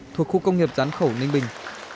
thuộc khu công nghiệp gián khẩu ninh bình